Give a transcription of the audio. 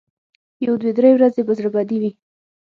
یو دوه درې ورځې به زړه بدې وي.